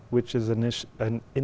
phát triển tài liệu